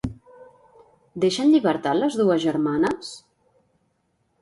Deixa en llibertat les dues germanes?